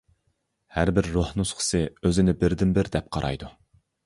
ھەربىر روھ نۇسخىسى ئۆزىنى بىردىنبىر دەپ قارايدۇ.